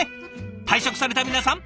退職された皆さん